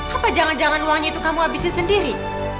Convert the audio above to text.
apa jangan jangan uangnya itu kamu habisin sendiri